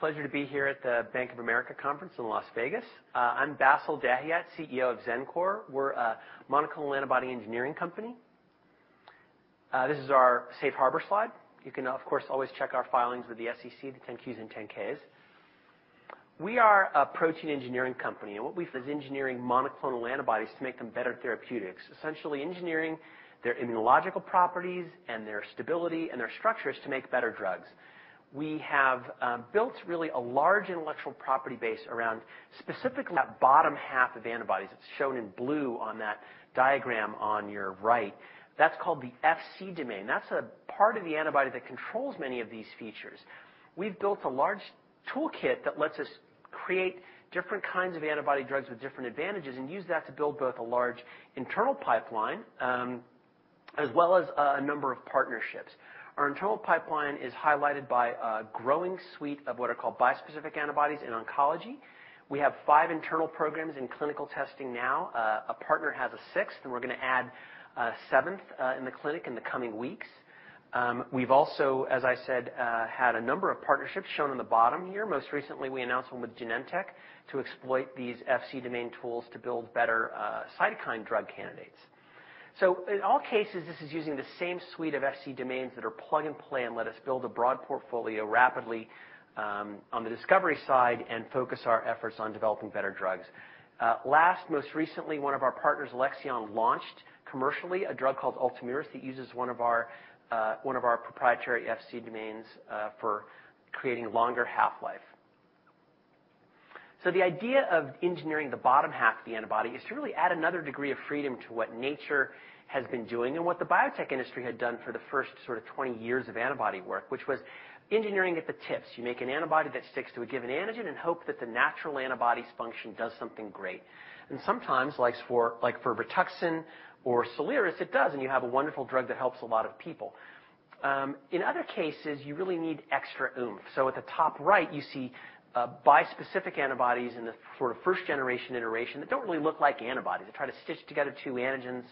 Pleasure to be here at the Bank of America conference in Las Vegas. I'm Bassil Dahiyat, CEO of Xencor. We're a monoclonal antibody engineering company. This is our safe harbor slide. You can, of course, always check our filings with the SEC, the 10-Qs and 10-Ks. We are a protein engineering company, and what we've is engineering monoclonal antibodies to make them better therapeutics. Essentially engineering their immunological properties and their stability and their structures to make better drugs. We have built really a large intellectual property base around specifically that bottom half of antibodies. It's shown in blue on that diagram on your right. That's called the Fc domain. That's a part of the antibody that controls many of these features. We've built a large toolkit that lets us create different kinds of antibody drugs with different advantages, and use that to build both a large internal pipeline, as well as a number of partnerships. Our internal pipeline is highlighted by a growing suite of what are called bispecific antibodies in oncology. We have five internal programs in clinical testing now. A partner has a sixth, and we're going to add a seventh in the clinic in the coming weeks. We've also, as I said, had a number of partnerships shown on the bottom here. Most recently, we announced one with Genentech to exploit these Fc domain tools to build better cytokine drug candidates. In all cases, this is using the same suite of Fc domains that are plug and play and let us build a broad portfolio rapidly on the discovery side and focus our efforts on developing better drugs. Last, most recently, one of our partners, Alexion, launched commercially a drug called Ultomiris that uses one of our proprietary Fc domains for creating longer half-life. The idea of engineering the bottom half of the antibody is to really add another degree of freedom to what nature has been doing and what the biotech industry had done for the first sort of 20 years of antibody work, which was engineering at the tips. You make an antibody that sticks to a given antigen and hope that the natural antibody's function does something great. Sometimes like for Rituxan or Soliris, it does, and you have a wonderful drug that helps a lot of people. In other cases, you really need extra oomph. At the top right, you see bispecific antibodies in the sort of first generation iteration that don't really look like antibodies. They try to stitch together two antigens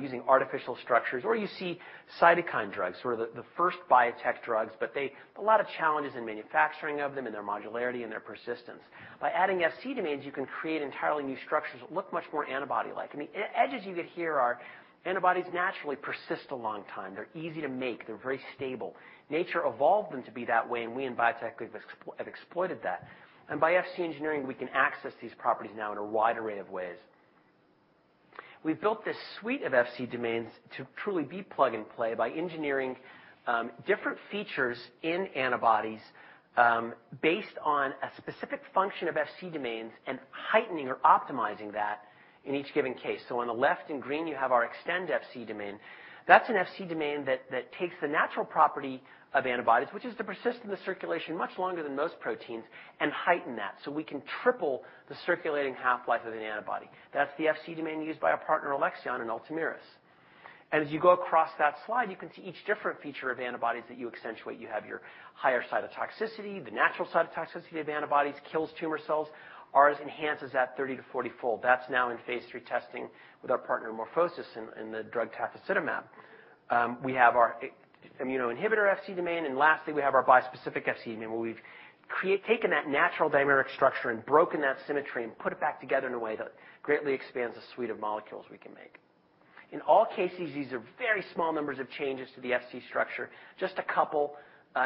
using artificial structures. You see cytokine drugs, sort of the first biotech drugs. A lot of challenges in manufacturing of them, in their modularity and their persistence. By adding Fc domains, you can create entirely new structures that look much more antibody-like. The edges you get here are antibodies naturally persist a long time. They're easy to make. They're very stable. Nature evolved them to be that way, and we in biotech have exploited that. By Fc engineering, we can access these properties now in a wide array of ways. We've built this suite of Fc domains to truly be plug and play by engineering different features in antibodies, based on a specific function of Fc domains and heightening or optimizing that in each given case. On the left in green, you have our Xtend Fc domain. That's an Fc domain that takes the natural property of antibodies, which is to persist in the circulation much longer than most proteins, and heighten that. We can triple the circulating half-life of an antibody. That's the Fc domain used by our partner, Alexion, in ULTOMIRIS. As you go across that slide, you can see each different feature of antibodies that you accentuate. You have your higher cytotoxicity. The natural cytotoxicity of antibodies kills tumor cells. Ours enhances at 30 to 40 fold. That's now in phase III testing with our partner MorphoSys in the drug tafasitamab. We have our Immune Inhibitor Fc domain. Lastly, we have our bispecific Fc domain, where we've taken that natural dimeric structure and broken that symmetry and put it back together in a way that greatly expands the suite of molecules we can make. In all cases, these are very small numbers of changes to the Fc structure, just a couple,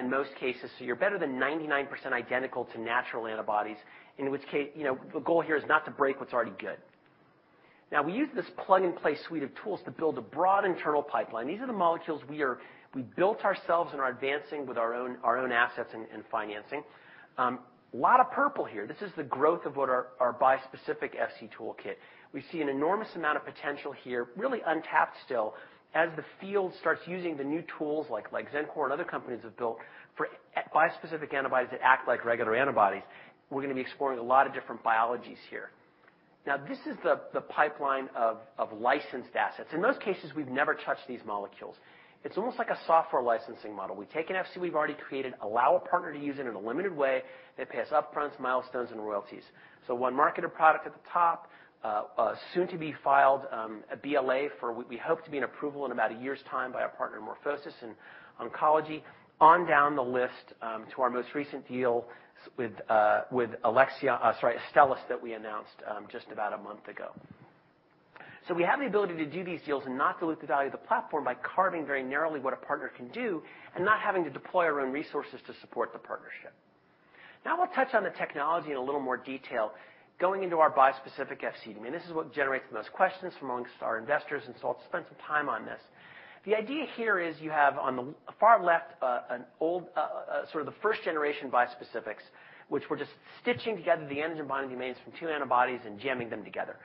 in most cases. You're better than 99% identical to natural antibodies, in which case the goal here is not to break what's already good. We use this plug-and-play suite of tools to build a broad internal pipeline. These are the molecules we built ourselves and are advancing with our own assets and financing. Lot of purple here. This is the growth of what our bispecific Fc toolkit. We see an enormous amount of potential here, really untapped still, as the field starts using the new tools like Xencor and other companies have built for bispecific antibodies that act like regular antibodies. We're going to be exploring a lot of different biologies here. This is the pipeline of licensed assets. In most cases, we've never touched these molecules. It's almost like a software licensing model. We take an Fc we've already created, allow a partner to use it in a limited way. They pay us up-fronts, milestones, and royalties. One marketed product at the top, soon to be filed, a BLA for we hope to be an approval in about one year's time by our partner MorphoSys in oncology. On down the list, to our most recent deal with Alexion, sorry, Astellas, that we announced just about one month ago. We have the ability to do these deals and not dilute the value of the platform by carving very narrowly what a partner can do and not having to deploy our own resources to support the partnership. I'll touch on the technology in a little more detail, going into our bispecific Fc domain. This is what generates the most questions amongst our investors, I'll spend some time on this. The idea here is you have on the far left, sort of the first-generation bispecifics, which were just stitching together the antigen binding domains from two antibodies and jamming them together.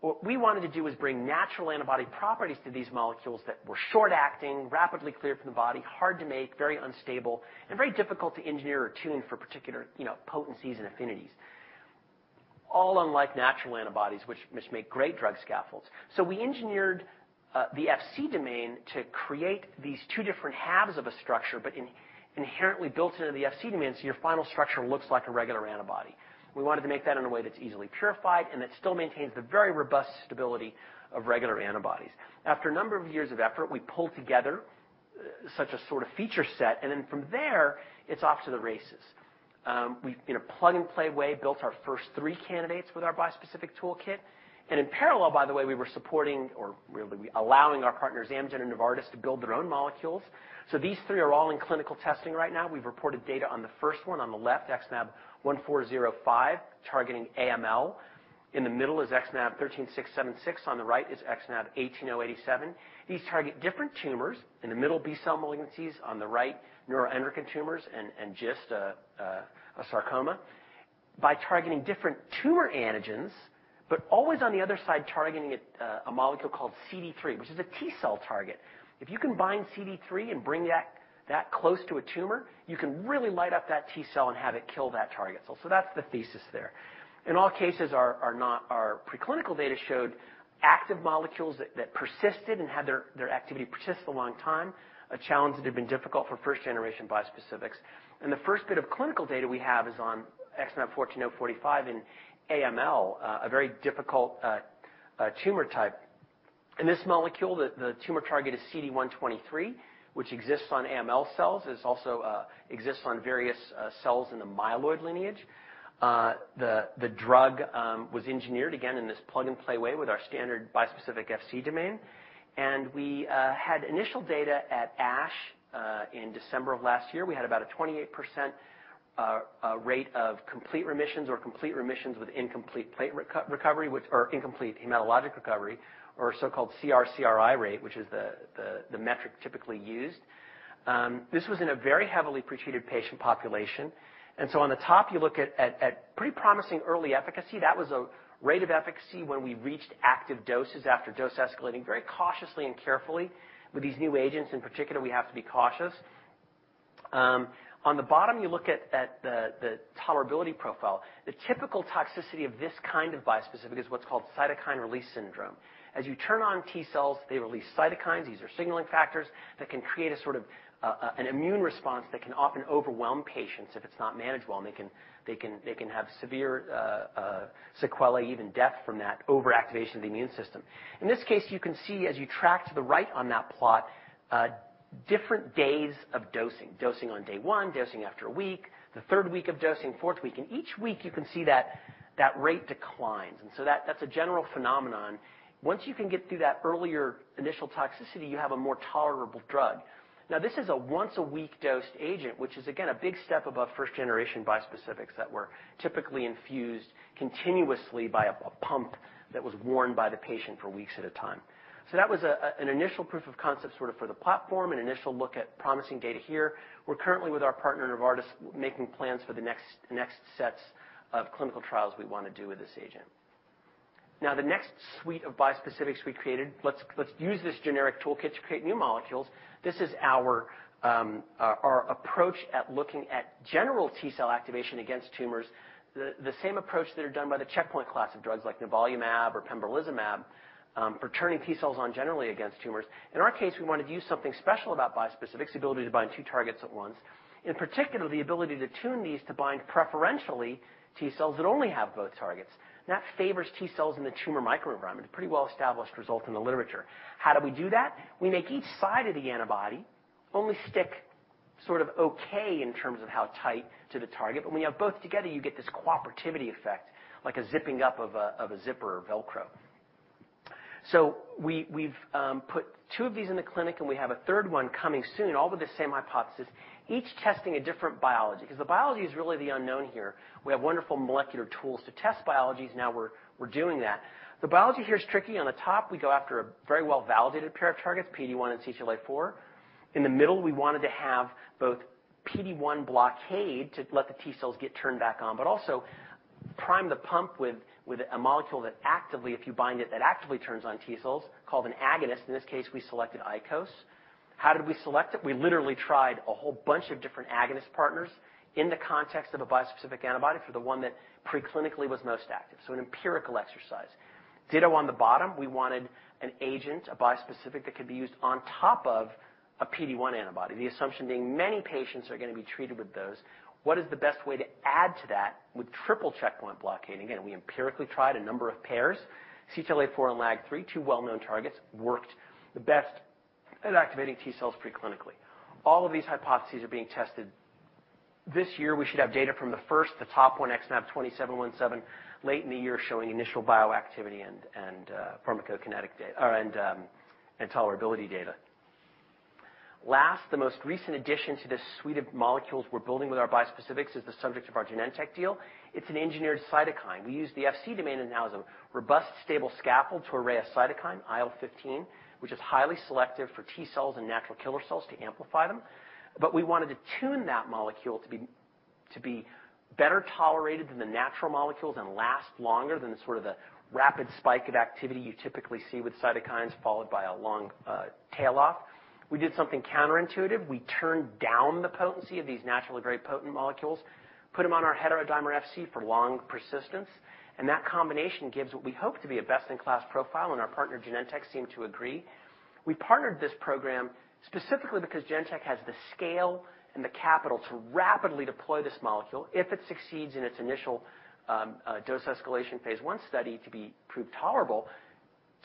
What we wanted to do was bring natural antibody properties to these molecules that were short acting, rapidly clear from the body, hard to make, very unstable, and very difficult to engineer or tune for particular potencies and affinities. Unlike natural antibodies, which make great drug scaffolds. We engineered the Fc domain to create these two different halves of a structure, but inherently built into the Fc domain, so your final structure looks like a regular antibody. We wanted to make that in a way that's easily purified and that still maintains the very robust stability of regular antibodies. After a number of years of effort, we pulled together such a sort of feature set. From there, it's off to the races. We've, in a plug-and-play way, built our first three candidates with our bispecific toolkit. In parallel, by the way, we were supporting or really allowing our partners, Amgen and Novartis, to build their own molecules. These three are all in clinical testing right now. We've reported data on the first one on the left, XmAb14045, targeting AML. In the middle is XmAb13676. On the right is XmAb18087. These target different tumors. In the middle, B-cell malignancies, on the right, neuroendocrine tumors, and gastrointestinal stromal tumors. By targeting different tumor antigens, but always on the other side, targeting a molecule called CD3, which is a T-cell target. If you can bind CD3 and bring that close to a tumor, you can really light up that T-cell and have it kill that target cell. That's the thesis there. In all cases, our preclinical data showed active molecules that persisted and had their activity persist a long time, a challenge that had been difficult for first-generation bispecifics. The first bit of clinical data we have is on XmAb14045 in AML, a very difficult tumor type. In this molecule, the tumor target is CD123, which exists on AML cells. It also exists on various cells in the myeloid lineage. The drug was engineered, again, in this plug-and-play way with our standard bispecific Fc domain. We had initial data at ASH in December of last year. We had about a 28% rate of complete remissions or complete remissions with incomplete platelet recovery, or incomplete hematologic recovery, or so-called CR/CRI rate, which is the metric typically used. This was in a very heavily pretreated patient population. On the top, you look at pretty promising early efficacy. That was a rate of efficacy when we reached active doses after dose escalating very cautiously and carefully. With these new agents, in particular, we have to be cautious. On the bottom, you look at the tolerability profile. The typical toxicity of this kind of bispecific is what's called cytokine release syndrome. As you turn on T-cells, they release cytokines. These are signaling factors that can create a sort of immune response that can often overwhelm patients if it's not managed well, and they can have severe sequelae, even death from that overactivation of the immune system. In this case, you can see as you track to the right on that plot, different days of dosing on day one, dosing after a week, the third week of dosing, fourth week, and each week you can see that rate declines. That's a general phenomenon. Once you can get through that earlier initial toxicity, you have a more tolerable drug. Now, this is a once-a-week dose agent, which is again, a big step above first generation bispecifics that were typically infused continuously by a pump that was worn by the patient for weeks at a time. That was an initial proof of concept sort of for the platform, an initial look at promising data here. We are currently with our partner, Novartis, making plans for the next sets of clinical trials we want to do with this agent. The next suite of bispecifics we created, let us use this generic toolkit to create new molecules. This is our approach at looking at general T cell activation against tumors. The same approach that are done by the checkpoint class of drugs like nivolumab or pembrolizumab, for turning T cells on generally against tumors. In our case, we want to use something special about bispecific's ability to bind two targets at once. In particular, the ability to tune these to bind preferentially T cells that only have both targets. That favors T cells in the tumor microenvironment, a pretty well-established result in the literature. How do we do that? We make each side of the antibody only stick sort of okay in terms of how tight to the target. When you have both together, you get this cooperativity effect, like a zipping up of a zipper or Velcro. We have put two of these in the clinic, and we have a third one coming soon, all with the same hypothesis, each testing a different biology because the biology is really the unknown here. We have wonderful molecular tools to test biologies. We are doing that. The biology here is tricky. On the top, we go after a very well-validated pair of targets, PD-1 and CTLA-4. In the middle, we wanted to have both PD-1 blockade to let the T cells get turned back on, but also prime the pump with a molecule that actively, if you bind it, actively turns on T cells called an agonist. In this case, we selected ICOS. How did we select it? We literally tried a whole bunch of different agonist partners in the context of a bispecific antibody for the one that preclinically was most active. An empirical exercise. Ditto on the bottom. We wanted an agent, a bispecific that could be used on top of a PD-1 antibody. The assumption being many patients are going to be treated with those. What is the best way to add to that with triple checkpoint blockade? Again, we empirically tried a number of pairs. CTLA-4 and LAG-3, two well-known targets, worked the best at activating T cells preclinically. All of these hypotheses are being tested. This year, we should have data from the first, the top one, XmAb20717, late in the year, showing initial bioactivity and pharmacokinetic data and tolerability data. Last, the most recent addition to this suite of molecules we are building with our bispecifics is the subject of our Genentech deal. It is an engineered cytokine. We use the Fc domain analysis, robust, stable scaffold to array a cytokine, IL-15, which is highly selective for T cells and natural killer cells to amplify them. We wanted to tune that molecule to be better tolerated than the natural molecules and last longer than the sort of the rapid spike of activity you typically see with cytokines, followed by a long tail off. We did something counterintuitive. We turned down the potency of these naturally very potent molecules, put them on our heterodimeric Fc for long persistence, that combination gives what we hope to be a best-in-class profile, and our partner, Genentech, seemed to agree. We partnered this program specifically because Genentech has the scale and the capital to rapidly deploy this molecule if it succeeds in its initial dose escalation phase I study to be proved tolerable.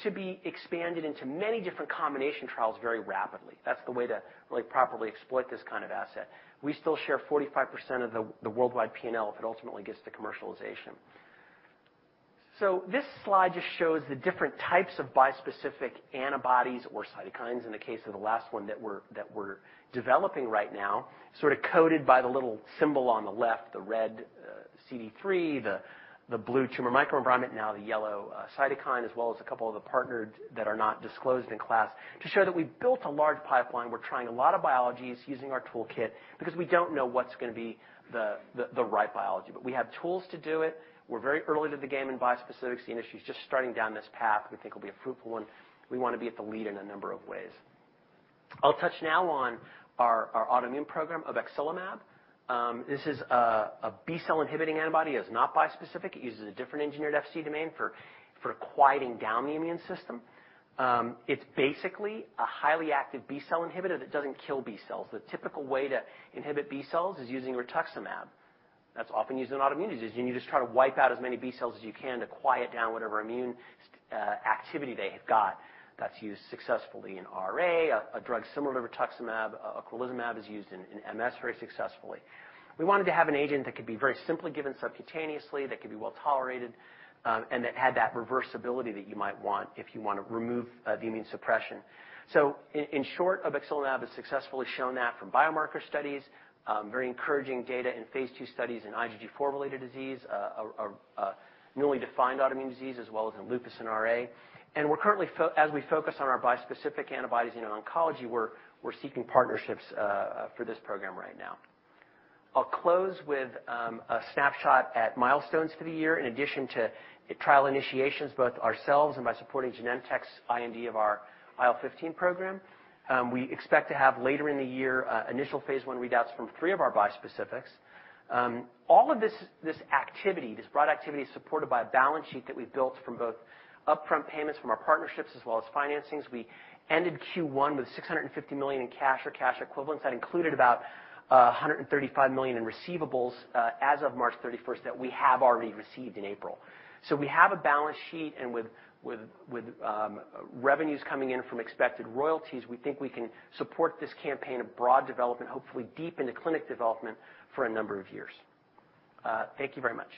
To be expanded into many different combination trials very rapidly. That's the way to really properly exploit this kind of asset. We still share 45% of the worldwide P&L if it ultimately gets to commercialization. This slide just shows the different types of bispecific antibodies or cytokines in the case of the last one that we're developing right now, sort of coded by the little symbol on the left, the red CD3, the blue tumor microenvironment, now the yellow cytokine, as well as a couple of the partnered that are not disclosed in class to show that we've built a large pipeline. We're trying a lot of biologies using our toolkit because we don't know what's going to be the right biology, but we have tools to do it. We're very early to the game in bispecifics, seeing issues just starting down this path we think will be a fruitful one. We want to be at the lead in a number of ways. I'll touch now on our autoimmune program of obexelimab. This is a B-cell inhibiting antibody. It is not bispecific. It uses a different engineered Fc domain for quieting down the immune system. It's basically a highly active B-cell inhibitor that doesn't kill B cells. The typical way to inhibit B cells is using rituximab. That's often used in autoimmune disease, and you just try to wipe out as many B cells as you can to quiet down whatever immune activity they have got. That's used successfully in RA. A drug similar to rituximab, ocrelizumab, is used in MS very successfully. We wanted to have an agent that could be very simply given subcutaneously, that could be well-tolerated, and that had that reversibility that you might want if you want to remove the immune suppression. In short, obexelimab has successfully shown that from biomarker studies, very encouraging data in phase II studies in IgG4-related disease, a newly defined autoimmune disease, as well as in lupus and RA. We're currently, as we focus on our bispecific antibodies in oncology, we're seeking partnerships for this program right now. I'll close with a snapshot at milestones for the year. In addition to trial initiations, both ourselves and by supporting Genentech's IND of our IL-15 program. We expect to have later in the year initial phase I readouts from three of our bispecifics. All of this activity, this broad activity, is supported by a balance sheet that we've built from both upfront payments from our partnerships as well as financings. We ended Q1 with $650 million in cash or cash equivalents. That included about $135 million in receivables as of March 31st that we have already received in April. We have a balance sheet, and with revenues coming in from expected royalties, we think we can support this campaign of broad development, hopefully deep into clinic development for a number of years. Thank you very much.